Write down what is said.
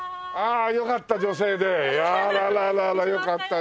あららららよかったね。